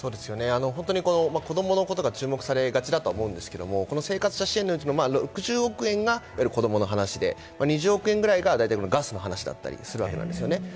子供のことが注目されがちだと思うんですけれども、生活者支援のうちの６０億円が子供の話で２０億円くらいがガスの話だったりするわけなんですね。